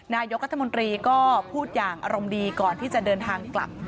นายกรัฐมนตรีก็พูดอย่างอารมณ์ดีก่อนที่จะเดินทางกลับ